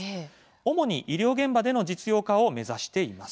主に医療現場での実用化を目指しています。